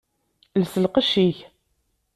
Els lqecc-ik!